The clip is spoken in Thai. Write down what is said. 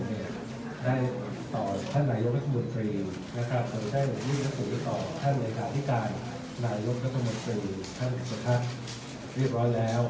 ได้ต่อท่านรายยกรรมดรีได้ยืนสัญญาณของท่านรายการพิการรายยกรรมดรีรีบร้อยแล้ว